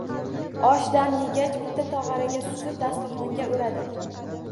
Osh dam yegach, bitta tog’araga suzib, dasturxonga o’radik